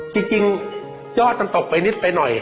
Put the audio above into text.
จริงยอดมันตกไปนิดไปหน่อย